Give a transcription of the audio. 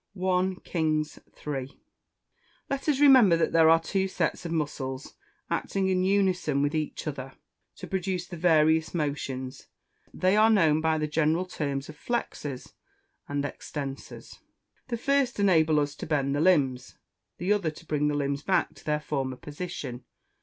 I KINGS III.] Let us remember that there are two sets of muscles, acting in unison with each other, to produce the various motions; they are known by the general terms of flexors and extensors; the first enable us to bend the limbs, the other to bring the limbs back to their former position.